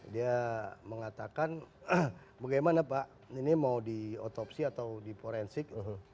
dia mengatakan bagaimana pak ini mau diotopsi atau di forensik